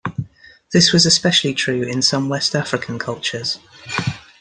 This was especially true in some West African cultures.